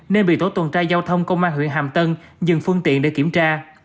nên bị tổ tuần tra giao thông công an huyện hàm tân dừng phương tiện để kiểm tra